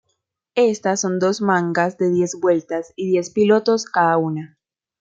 Estas son dos mangas de diez vueltas y diez pilotos cada una.